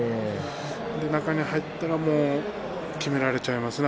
中に入ったらきめられちゃいますね。